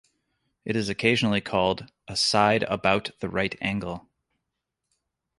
It is occasionally called a "side about the right angle".